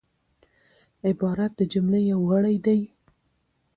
عبارت د جملې یو غړی دئ.